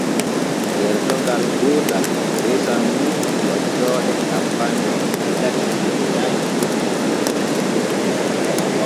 Gertogal gootal resan nun ɓoccooɗe cappanɗe jeetati e nay der duuɓol.